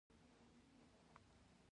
د پرچمن ولسوالۍ ښکلې ده